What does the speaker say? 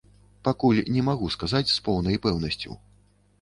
Пакуль не магу сказаць з поўнай пэўнасцю.